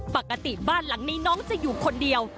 ปกติบ้านหลังนี้น้องจะอยู่คนเดียว